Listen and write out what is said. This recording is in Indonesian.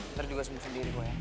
ntar juga sembuh sendiri gue ya